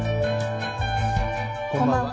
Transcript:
こんばんは。